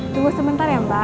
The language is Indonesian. tunggu sebentar ya mbak